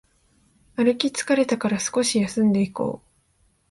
歩き疲れたから少し休んでいこう